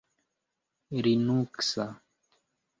linuksa